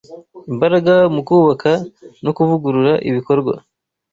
imbaraga mu kubaka no kuvugura ibikorwa